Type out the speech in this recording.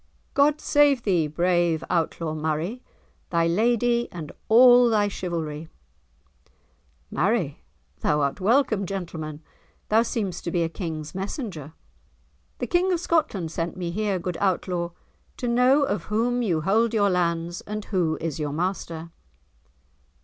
"God save thee, brave Outlaw Murray, thy lady, and all thy chivalry!" "Marry, thou art welcome, gentleman; thou seemst to be a King's messenger." "The King of Scotland sent me here, good Outlaw, to know of whom you hold your lands, and who is your master."